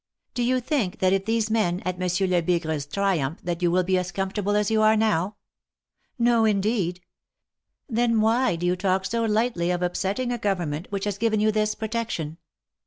Do you think that if these men, at Monsieur Lebigre's, triumph, that you will be as comfortable as you are now ? No, indeed. Then why do you talk so lightly of upsetting a Govern ment which has given you this protection?